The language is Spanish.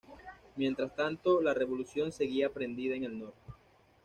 Mientras tanto, la revolución seguía prendida en el norte.